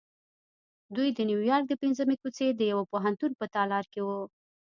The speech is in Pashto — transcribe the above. دوی د نیویارک د پنځمې کوڅې د یوه پوهنتون په تالار کې وو